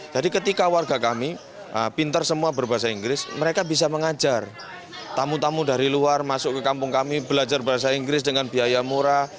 jadi ketika warga kami pinter semua berbahasa inggris mereka bisa mengajar tamu tamu dari luar masuk ke kampung kami belajar bahasa inggris dengan biaya murah